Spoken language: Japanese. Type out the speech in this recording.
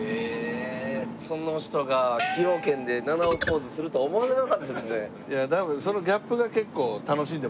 その人が崎陽軒で菜々緒ポーズするとは思わなかったですね。